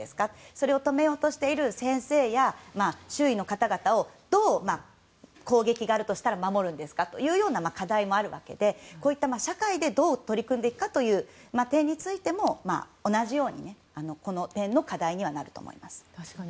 それを止めようとしている先生や周囲の方々を攻撃があるとしたらどう守るんですかという課題もあるわけでこういった社会でどう取り組んでいくかという点についても同じように、この点の課題にはなると思います。